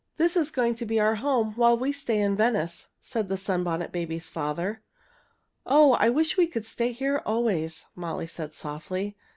"This is to be our home while we stay in Venice," said the Sunbonnet Babies' father. "Oh! I wish we could stay here always," Molly said softly.